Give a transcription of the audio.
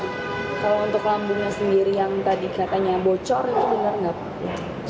kalau untuk lambungnya sendiri yang tadi katanya bocor itu benar nggak pak